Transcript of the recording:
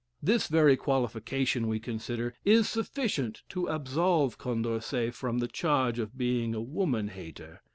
This very qualification, we consider, is sufficient to absolve Condorcet from, the charge of being a "woman hater."